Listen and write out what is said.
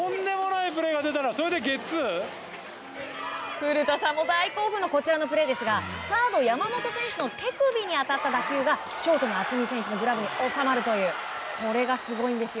古田さんも大興奮のこちらのプレーですがサード山本選手の手首に当たった打球がショートの渥美選手のグラブに収まるというこれがすごいんですよ。